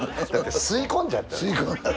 吸い込んじゃった。